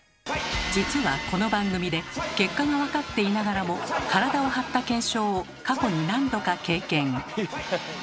実はこの番組で結果が分かっていながらも体を張った検証を過去に何度か経験。